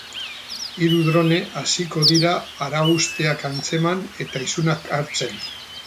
Hiru drone hasiko dira arau-hausteak antzeman eta isunak hartzen.